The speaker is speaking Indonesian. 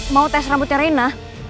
mau tes rambutnya reina